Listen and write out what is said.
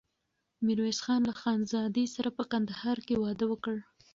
ميرويس خان له خانزادې سره په کندهار کې واده وکړ.